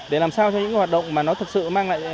để làm sao cho những hoạt động mà nó thực sự mang lại